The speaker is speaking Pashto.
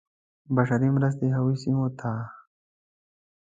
بشري مرستې هغو سیمو ته.